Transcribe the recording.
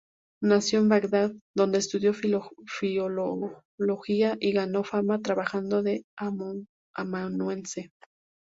Nació en Bagdad, donde estudió filología y ganó fama trabajando de amanuense.